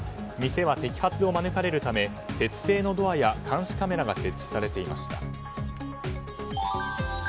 店は摘発を免れるため鉄製のドアや監視カメラが設置されていました。